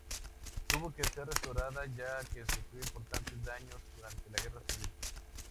Tuvo que ser restaurada ya que sufrió importantes daños durante la Guerra Civil.